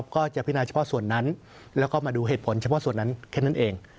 ก็จะพินาเฉพาะส่วนนั้นแล้วก็มาดูเหตุผลเฉพาะส่วนนั้นแค่นั้นเอง